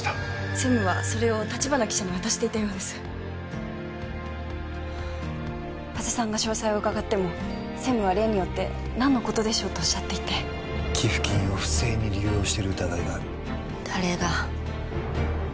専務はそれを橘記者に渡していたようですはあ加瀬さんが詳細を伺っても専務は例によって「何のことでしょう」とおっしゃっていて寄付金を不正に流用している疑いがある誰が？